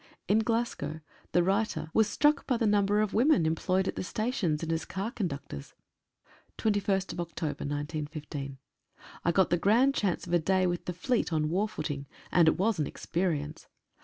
In Glasgow the writer "was struck by the number of women employed at the stations and as car con ductors." <8> H <8> 21/10/15. 3 GOT the grand chance of a day with the fleet on war footing, and it was an experience.